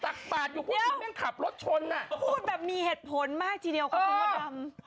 ตักปากอยู่โผล่ซีแม้กำลังขอบรถชนเตียงแบบมีเหตุผลมากทีเดียวเพียงจำ